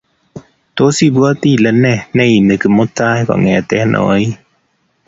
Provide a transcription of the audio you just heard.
Tos ibwoti ile ne neimi Kimutai kongete oin?